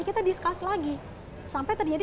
kita discuss lagi sampai terjadi